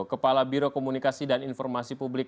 kepala biro komunikasi dan informasi publik